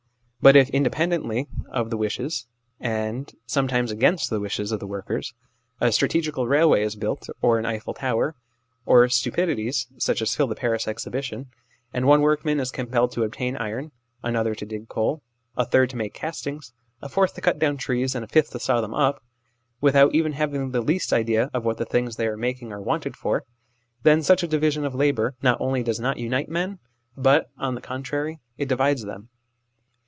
But if, independently of the wishes, and some times against the wishes, of the workers, a strategical railway is built, or an Eiffel tower, or stupidities such as fill the Paris exhibition ; and one workman is compelled to obtain iron, another to dig coal, a third to make castings, a fourth to cut down trees, and a fifth to saw them up, without even having the least idea what the things they are making are wanted for, then such division of labour not only does not unite men, but, on the contrary, it divides them.